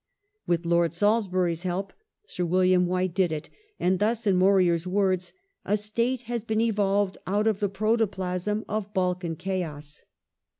With Lord Salisbury's help Sir William White did it, and thus in Morier's words :" A state has been evolved out of the protoplasm of Balkan chaos